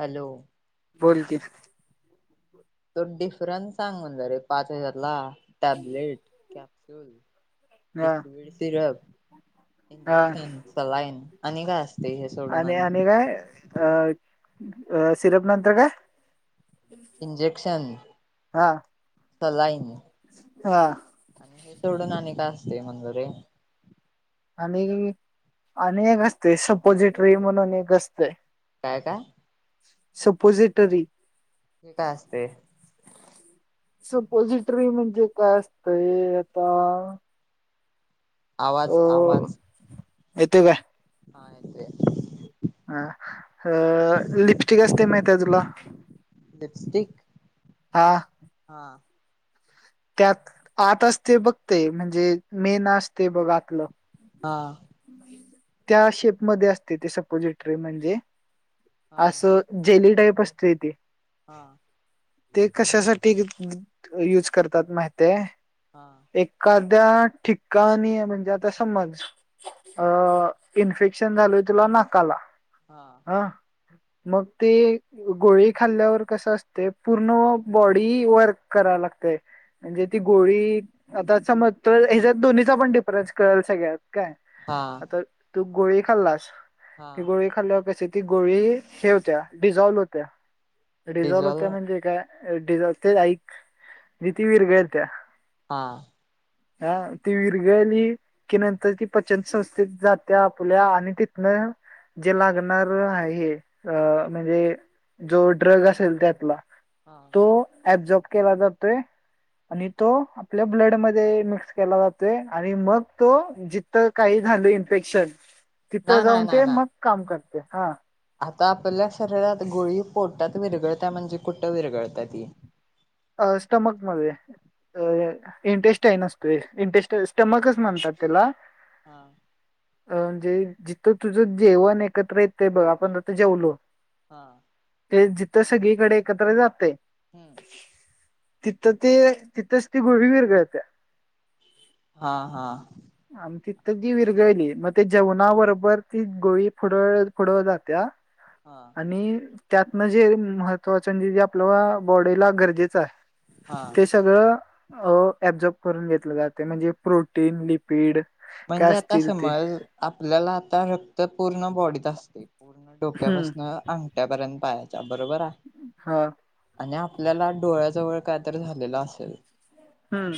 Hello बोलकी तो difference सांग म्हणला रे पाच हजारला टॅबलेट कॅप्स्युल हा लिक्विड सिरप, हा इंजेक्शन, सलाईन आणि काय असते? हे सोडून आणि आणि काय अ सिरप नंतर काय? इंजेक्शन, हा सलाईन हा आणि हे सोडून आणि का असते म्हण जूरे आणि आणि एक असते सपोजिट्री म्हणून एक असतय. काय काय सपोझिटरी काय असते. सपोझिटरी म्हणजे काय असतंय आता? आवाज आवाज येतो काय? हा येतय. अ अ लिपस्टिक असते माहिती आहे तुला लिपस्टिक हा हा त्यात आत असते बघ ते म्हणजे मेन असते बघ आतलं. हा त्या शेप मधे असते ते सपोजिटरी म्हणजे हा अस जेली टाईप असतेय ते हा ते कशासाठी यूज करतात माहितीये हा एखाद्या ठिकाणी म्हणजे आता समज अ इन्फेक्शन झालय तुला नाकाला हा मग ते गोळी खाल्ल्यावर कस असते पूर्ण बॉडी वर्क कराव लागते. म्हणजे ती गोळी आता समज तर हचा दोन्हीचा पण कळेल सगळत काय हा आता तू गोळी खाल्लास हा की गोळी खाल्ल्यावर कशी ती गोळी हे होत्या डिझॉल्व होतिया. रिझोल डिझल होतिया म्हणजे काय? ते ऐक ती विरघळतिया. हां हा ती विरघळली की नंतर ती पचन संस्थेत जाते आपल्या आणि तिथनं जे लागणार आहे म्हणजे जो ड्रग असेल त्यातला हा तो अबजॉब केला जातोय. आणि तो आपल्या ब्लड मध्ये मिक्स केला जातोय आणि मग तो जिथं काही झालं इन्फेक्शन तिथं नाही नाही जाऊन ते नाही नाही मग काम करते हा आता आपल्या शरीरात गोळी पोटात विरगळत म्हणजे कुठं विरगळताती अ स्टमक मध्ये अ इंटरेस्ट आहे नसतो इंटरेस्ट स्टमकच म्हणतात त्याला हां अ म्हणजे जिथं तुझं जेवण एकत्र येत ते बघ आपण ज जेवलो हा ते जिथं सगळीकडे एकत्र जाते हम्म तिथं ते तिथच ती गोळी विरगळत हा हा आम तिथ तर जी विरगळली मग ते जेवणा बरोबर ती गोळी फुड फुडव जात्या हा आणि त्यातनं जे महत्वाच म्हणजे जे आपल्या बॉडीला गरजेचं आहे हा बून घ जाते म्हणे प्रो स् पीड काय म्हणजे आता असतील ते समज आपल्याला आता रक्त पूर्ण बॉडीत असते पूर्ण हम्म डोक्यापासन अंगठ्यापर्यंत पाहायच्या बरोबर आहे हा आणि आपल्याला डोळ्याजवळ कायतरी झालेलं असेल हम्म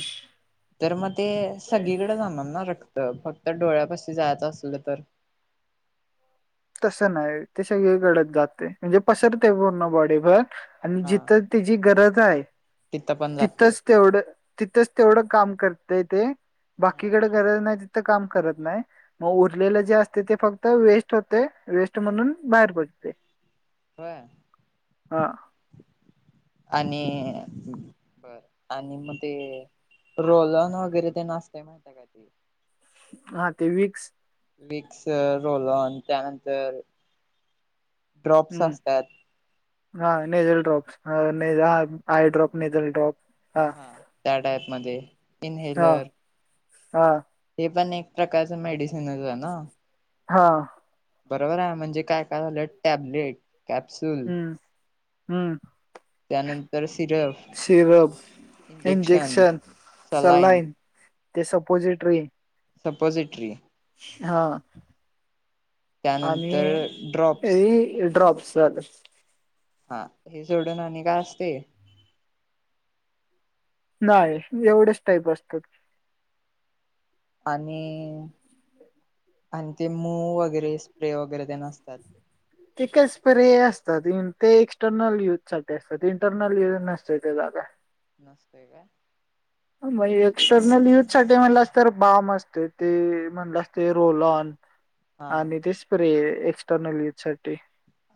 तर मग ते सगळीकडे जाणार ना रक्त फक्त डोळ्याप जायचं असलं तर तसं नाही ते सगळीकडत जाते म्हणजे पसरते पूर्ण बॉडीभर आणि हा जिथं त्याची गरज आहे तिथं पण जाते तिथंच तेवढं तिथंच तेवढं काम करतय ते हा बाकीकडे गरज नाही कात नाही उ जे अस ते फक्त वे होते वेस्ट म्हणून बाहेर पडते हो हा आणि आणि मग ते रोल ऑन वगैरे ते नास्तय माहि का का हा ते विक विक्स रोलोल ऑन त्यानंतर ड्रॉप्स हम्म असतात हा nasal drops eye drop nasal drop हा त्या टाईप मध्ये हा इनहेलर हा हे पण एक प्रकारच मेडिसिनच आहे ना हा बरोबर आहे म्हणजे काय काय झालं टॅबलेट कॅप्सूल हम्म हम्म त्यानंतर सिर सिरप इंजेक्शन सलाईन ते सपोजिटरी सपोझिट्री हा त्यानंतर ड्रॉप्स आणि ड्रॉप्स हा हे सोडून आणि काय असते नाही एवढेच टाईप असतात आणि आणि ते मू वगैरे स्प्रे वगैरे ते नसतात तेिक स्प्रे असतात ते एक्स्टर्नल यूज सग असतात इंटरनल यज नसत ते जागा नसते काय? म्हणे एक्सटर्नल युज साठी म्हणलं अस तर बाम असते ते म्हणलं असते रोल ऑन हा आणि ते स्प्रे एक्स्टर्नल युज साठी.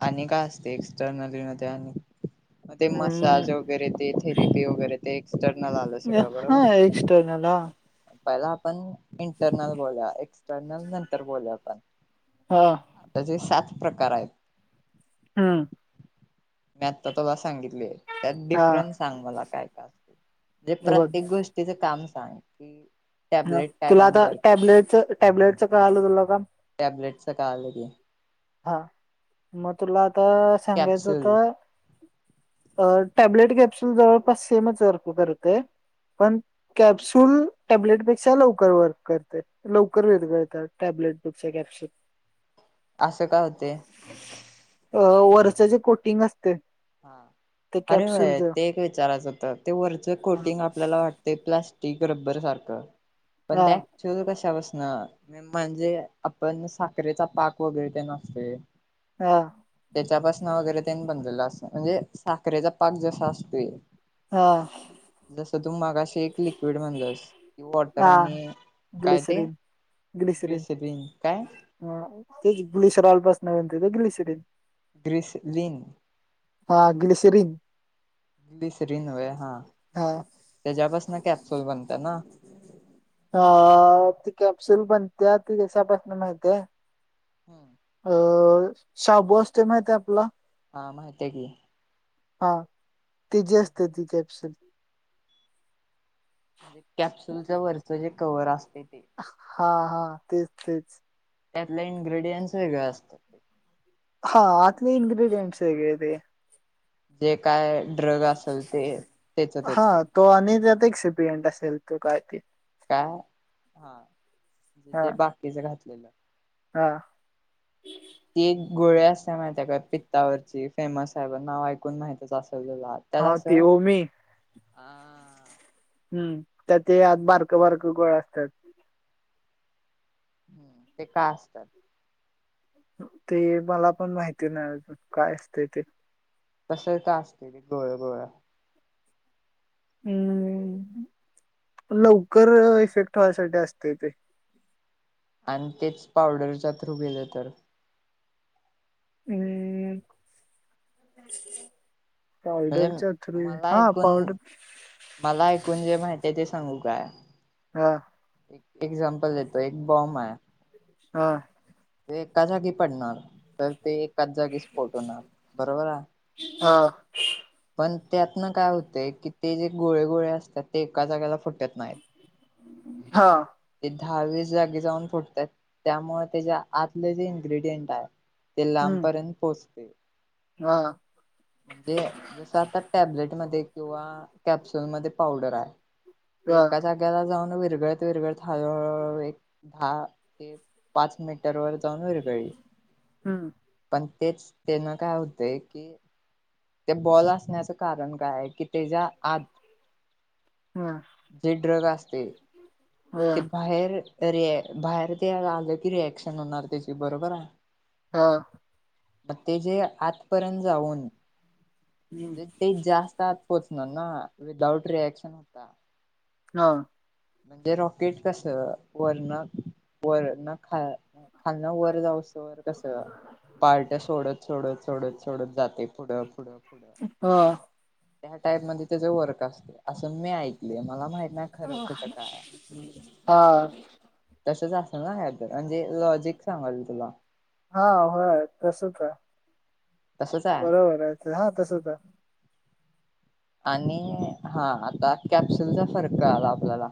आणि काय असते एक्सटर्नली मध्ये आणि मग ते हम्म मसाज वगैरे ते थेरेपी वगैरे ते एक्सटर्नल आलं सगळं बरोबर [unintelligible] नला पहिला आपण इंटरनल बोल एक्सटर्नल नंतर बोलू आपण. हां ता जे सात प्रकार आहेत. हां मी आता तुला सांगितलेय त्यात हा डिफरन्स सांग मला काय काय असते. जे हे बघ प्रत्येक गोष्टीच काम सांग? ह टॅबलेट काय तुला काम आता करते टॅबलेटच टॅबलेटच कळालं तुला आता टॅबलेटच कालं की हा मग तुला आता सांगायचं कॅप्सूल तर अ टॅब्लेट कॅप्सुल जवळपास सेमच व करते पण कॅप्सूल टॅबलेटपेक्षा लवकर वर्क करते. लवकर विरघळतात टॅब्लेट पेक्षा कॅप्सुल. असं का होते? अ वरच जे कोटिंग असते हा ते अरे होय कॅप्सूलच ते एक विचारायचं होतं ते वरच कोटिंग आपल्याला वाटते प्लास्टिक रब्बर सारखं पण हा त्या ऍक्च्युअल कशापासन म्हणजे आपण साखरेचा पाक वगैरे ते नसते. हां त्याच्यापासनं वगैरे त्यांनी बनलेलं असत म्हणजे साखरेचा पाक जसा असतोय हां जसं तू मागा असे एक लिक्विड म्हणलंस. कि वॉटर हा आणि काय ते ग्लिसरीन डिस बिन काय? हा ते गुळीशरा अलबास नवंत गिशरन ग्रिसलिन हा ग्लिसरीन ग्लिसरीन हा हा त्याच्यापासन कॅप्सुल बनत ना? हा ती कॅप्सुल बनते ती त्याच्यापासून माहतीय. हां अ शाबू असते माहित आहे आपला हा माहितय की. हा त जी असते ती कॅप्सल म्हणजे कॅप्सुलच्या वरचं जे कवर असते ते. हा हा तेच तेच त्यातला इनग्रेडियंट्स वेगळं असतं हा आतली इंग्र्रीडियंटस वेगळं ते. जे काय ड्रग असेल ते त्याच हा त्याच. तो अनित एक सिपिएंट असेल तू कायती. काय हा म्हे तेे बाकीच घातलेलं. हां ती एक गोळे असते माहिती आहे का पित्तावरची फेमस आहे पण नाव ऐकून माहितच असेल तुला. त्याला हा अस ते ओमी हम्म त्या ते आत बारकं बारक गोळ्या असतात. हम्म ते का असतात. ते मला पण माहिती ना अजून काय असत ते. तस तर असते गोळ गोळ हम् लवकर इफेक्ट होयसाठी असते ते आणि तेच पावडरचा थ्रू गेले तर हम् म्हणजे पावडरच्या थ्रू मला हा पावडर ऐकून मला ऐकून जे माहिित ते सांगू काय हा एक एक्झाम्पल देतो एक बॉम्ब आहे हा ते कसा की पडणार तर ते एकाच जागीच पोटवणार बरोबर आहे हा पण त्यातन काय होतय की ते जे गोळे गोळे असतात ते एका जागेला फुटत नाहीत [inaudible] हा ते दहावीस जागी जाऊन फुटतात त्यामुळे त्याच्या आतले जे इन्ग्रेडियंट आहे ते हम्म लांबपर्यंत पोहोचते हा ह म्हणजे जसं आता टॅबलेट मध्ये किंवा कॅप्सुल मध्ये पावडर आहे ते हा कसा ्याला जाऊन विरगळत विरगळत हळ एक दहा ते पाच मिनट र व जाऊन वरगळी हम्म पण तेच तेन काय होतय की ते बॉल असण्याचं कारण काय आहे की त्याच्या आत हम् जे ड्रग असते हा ते बाहेर रिया बाहेर ते आलं की रिएक्शन होणार त्याची बरोबर आहे हा ते जे आतपर्यंत हम्म जाऊने ते जास्त ात पोचण ना विदाउट रिएक्शन होता हा म्हणजे रॉकेट कसं वरण वरण खा खाना वर जावसं वर कसं पार्ट सोडत सोडत सोडत सोडत जाते पुढं पुढं पुढं हा त्या टाईप मध्ये त्याच वर्क असते असं मी ऐकले मला माहित नाही खरं खोट हा तसंच असेल ना ह म्हणजे लॉजिक सांगाल तुला हा होय तसच आहे तसच आहे हा तसं हाय आणि हा आता कॅप्सुलचा फरक आला आपल्याला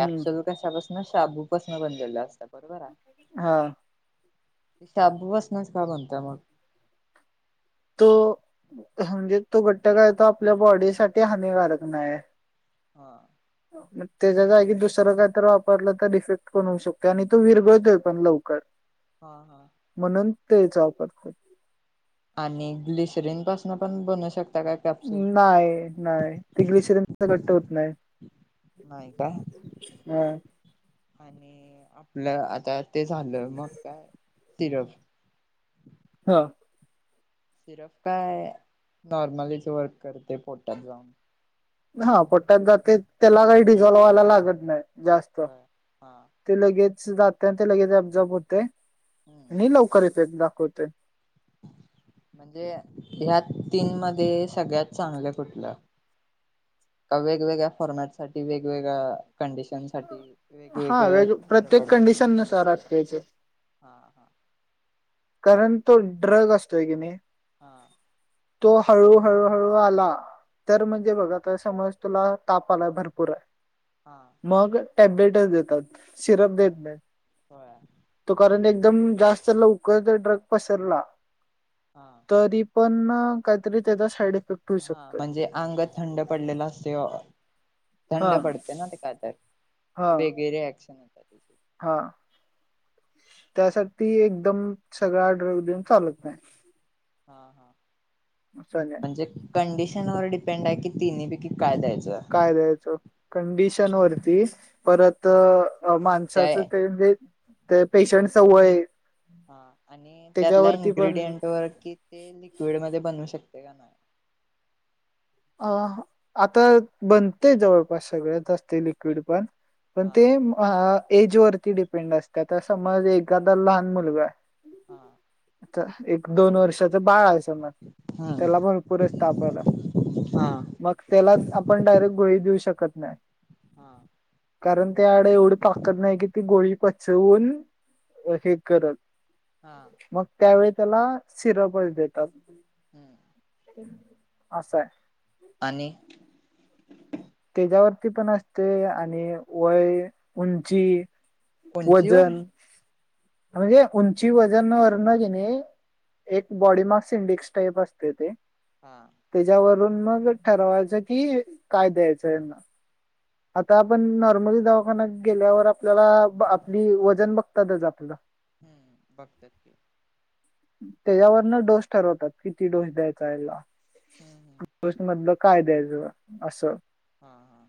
हम्म कशापासन शाबूपासन बनलेलं असत बरोबर आहे हा शाब बसण्यास काय बनता मग तो म्हणजे तो घट्ट काय तो आपल्या बॉडी साठी हानिकारक नाही हा हो त्याच्या जागी दुसरं काय तर वापरलं तर इफेक्ट पण होऊ शकत आणि तो विरगळतोय पण लवकर हा हा म्हणून तेचा वापरत आणि ग्लिसरीन पासन पण बनवू शकता का नाही नाही त ग्लिसरीन घट्ट होत नाही नाही काय हा. आणि आपलं आता ते झालं मग काय सिरफ हा सिरफ काय नॉर्मलीच वर्क करते पोटात जाऊन हा पट्टत जाते त्याला काही डिझॉल् व्हायला लागत नाही जास्त होय हा ते लगेच जात ते लगेच अब्झॉर्ब होते हम्म आणि लवकर इफेक्ट दाखवते [unintelligible] म्हणजे ह्या तीन मध्ये सगळ्यात चांगलं कुठलं वेगवेगळ्या फॉर्मॅट साठी वेगवेगळ्या कंडिशन् साठी हा वेगवेगळ वेग बरं प्रत्येक पडते कंडिशन नुसार असतो याचे हा हा कारण तो ड्रग असतोय की नाही हां तो हळू हळूहळू आला तर म्हणजे बघा तर समज तुला तापा आला भरपूर आहे हां मग टॅब्लेटच देतात सिरप होय देत नाही होय तो कारण एकदम जास्त लवकर ड्रग पसरला हां तरी पण काहीतरी त्याचा साईड इफेक्ट होऊ हा शकतोय म्हणजे अंग थंड पडलेला असत थंड हा पडते ना ते काय तर हा वेगैरे ऍक्शन होत त्या हा त्यासाठी एकदम सगळा ड्रॅग देऊन चालत नाही हा हा असं नाही म्हणजे कंडिशन वर डिपेंड आहे की तिने पैकी काय द्यायचं आहे काय द्यायचं कंडिशन वरती परत त्या माणसाचं ते म्हणजे ते पेशंट सवय हा आणि त्यातल्या पण इन्ग्रेडियंट ववर कि ते लिक्विड मध्ये बनवू शकते का नाही अ आता बनते जवळपास सगळ्यात असते लिक्विड पण पण हा ते एजवररती डिपेंड असत तर समज एखादा लहान मुलगा आहे हा आता एक दोन वर्षाच बाळ आहे स मज त्याला हम्म पण पुरेच तापवला हा मग त्याला आपण डायरेक्ट गोळी देऊ शकत नाही हा कारण ते आड एवढी ताकत नाही की ती गोळी पचवून हे करत हा मग त्यावेळी त्याला सिरपच देतात हम्म असं आहे आणि त्याच्यावरती पण असते आणि वय उंची उंचीवर वजन म्हणजे उंची वजन वरण की नाही एक बॉडी मार्क संडेक्स टाईप असते ते हा त्याच्यावरून मग ठरवायचं कि काय द्यायचंना आता आपण नॉर्मली दवाखाना्या गेल्यावर आपल्याला आपली वजन बघतातच आपलं हम्म बघत क त्याच्यावरन डोस ठरवतात किती डोस द्यायचा याला हम्म हम्म मधलं काय द्यायचं असं हां हां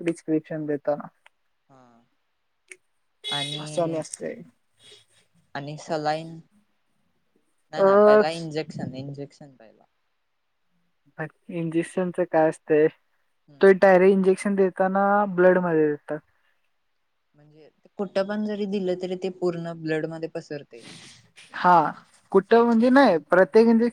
प्रिस्क्रिप्शन देताना हा आणि ते आणि सलाईन ना ना पहिला इंजेक्शन इंजेक्शन पहिला इंजेक्शनच काय असतंय तो हम्म डायरेक्ट इंजेक्शन देत ताना ब्लड मध्ये देतात म्हणजे कुट्टं पण जरी दिलं तरी ते पूर्ण ब्लड मध्ये पसरते हा कुठं म्हणजे नाही प्रत्येक म्हणजे